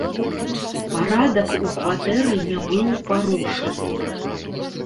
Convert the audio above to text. Парадак у кватэры не быў парушаны.